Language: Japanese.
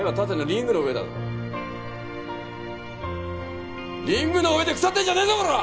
リングの上で腐ってんじゃねえぞコラ！